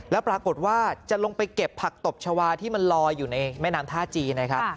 แล้วปรากฏว่าจะลงไปเก็บผักตบชาวาที่มันลอยอยู่ในแม่น้ำท่าจีนนะครับ